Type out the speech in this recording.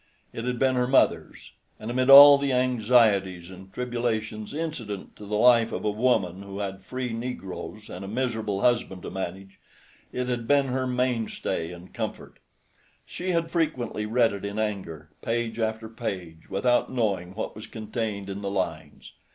It had been her mother's, and amid all the anxieties and tribulations incident to the life of a woman who had free negroes and a miserable husband to manage, it had been her mainstay and comfort. She had frequently read it in anger, page after page, without knowing what was contained in the lines.